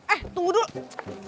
eh tunggu dulu